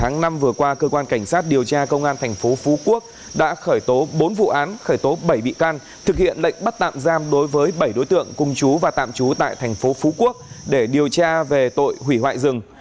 ngày vừa qua cơ quan cảnh sát điều tra công an thành phố phú quốc đã khởi tố bốn vụ án khởi tố bảy bị can thực hiện lệnh bắt tạm giam đối với bảy đối tượng cùng chú và tạm trú tại thành phố phú quốc để điều tra về tội hủy hoại rừng